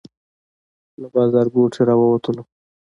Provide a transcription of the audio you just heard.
له بازارګوټي راووتلو.